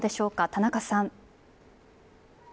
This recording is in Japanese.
田中さん。